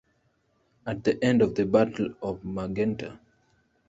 At the end of the Battle of Magenta.